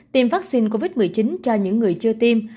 tiêm vaccine covid một mươi chín cho những người chưa tiêm